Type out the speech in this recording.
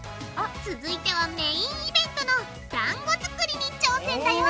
続いてはメインイベントのだんご作りに挑戦だよ！